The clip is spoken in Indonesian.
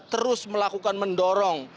terus melakukan mendorong